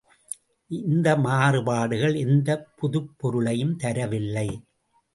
இந்த மாறுபாடுகள் எந்தப் புதுப்பொருளையும் தரவில்லை.